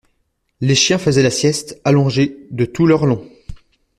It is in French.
Les chiens faisaient la sieste, allongés de tout leur long.